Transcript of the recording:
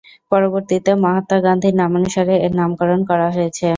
পরবর্তীতে মহাত্মা গান্ধীর নামানুসারে এর নামকরণ করা হয়েছে।